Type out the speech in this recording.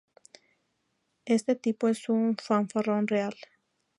Este tipo es un fanfarrón real.